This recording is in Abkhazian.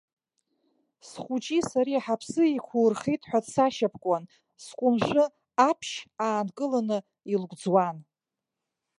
Схәыҷи сареи ҳаԥсы еиқәурхеит ҳәа дсашьапкуан, скәымжәы аԥшь аанкыланы илгәӡуан.